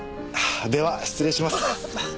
では失礼します。